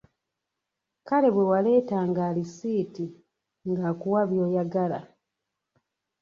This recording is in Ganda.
Kale bwe waleetanga alisiiti ng'akuwa byoyagala.